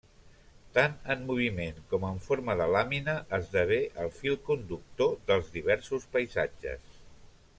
Tant en moviment com en forma de làmina, esdevé el fil conductor dels diversos paisatges.